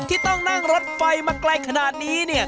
ที่ต้องนั่งรถไฟมาไกลขนาดนี้เนี่ย